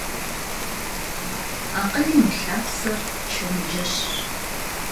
Akhılım yi lhapser çenceşş.